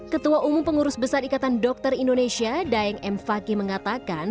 ketua umum pengurus besar ikatan dokter indonesia daeng m fakih mengatakan